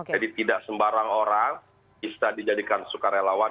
jadi tidak sembarang orang bisa dijadikan sukarelawan